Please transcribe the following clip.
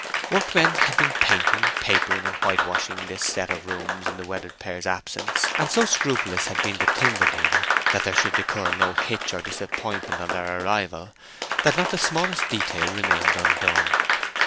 Workmen had been painting, papering, and whitewashing this set of rooms in the wedded pair's absence; and so scrupulous had been the timber dealer that there should occur no hitch or disappointment on their arrival, that not the smallest detail remained undone.